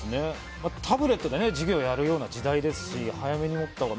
タブレットで授業やるような時代ですし早めに持ったほうが。